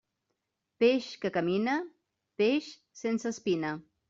Peix que camina, peix sense espina.